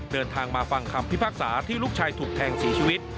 เดินทางมาฟังคำพิพากษาที่ลูกชายถูกแทงเสียชีวิต